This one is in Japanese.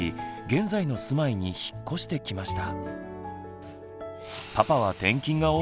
現在の住まいに引っ越してきました。